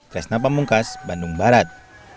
kresna pamungkas bandung barat